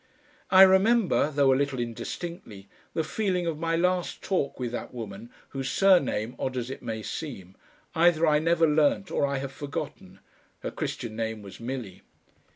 I remember, though a little indistinctly, the feeling of my last talk with that woman whose surname, odd as it may seem, either I never learnt or I have forgotten. (Her christian name was Milly.)